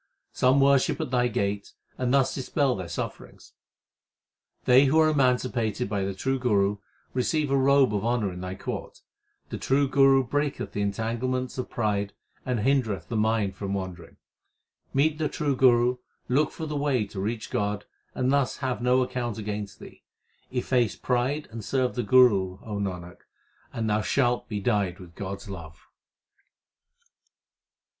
Some worship at Thy gate, and thus dispel their sufferings. They who are emancipated by the true Guru, receive a robe of honour in Thy court. The true Guru breaketh the entanglements of pride, ant hindereth the mind from wandering. Meet the true Guru, look for the way To reach God, and thus have no account against thee. Efface pride and serve the Guru, O Nanak, and thou shalt be dyed with God s love.